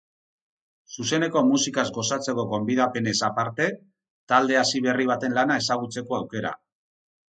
Zuzeneko musikaz gozatzeko gonbidapenez aparte, talde hasi berri baten lana ezagutzeko aukera.